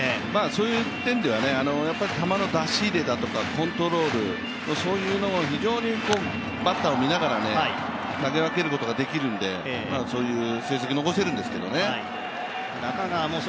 そういう点では球の出し入れだとかコントロールそういうのが非常にバッターを見ながら投げ分けることができるんで、そういう成績を残せるんですけどね。